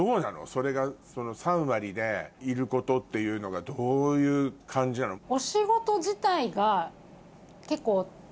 それが３割でいることっていうのがどういう感じなの？なので。